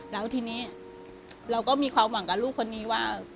แล้วทีนี้เราก็มีความหวังกับลูกคนนี้ว่า